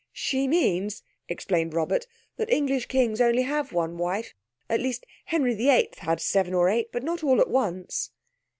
"She means," explained Robert, "that English kings only have one wife—at least, Henry the Eighth had seven or eight, but not all at once."